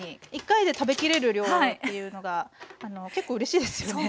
１回で食べきれる量っていうのが結構うれしいですよね。